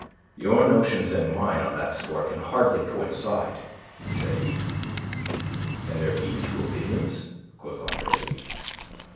"Your notions and mine on that score can hardly coincide," said he. "Can there be two opinions?" quoth Andre Louis.